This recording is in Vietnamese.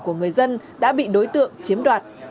của người dân đã bị đối tượng chiếm đoạt